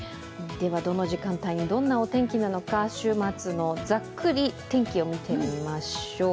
どの時間帯にどんなお天気なのか、週末のざっくり天気を見てみましょう。